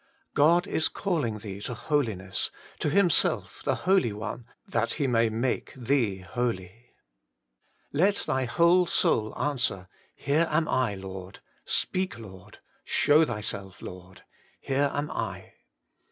God is calling thee to Holiness, to Himself the Holy One, that He may make thee holy. Let thy whole soul answer, Here am I, Lord ! Speak, Lord ! Show Thyself, Lord ! Here am I.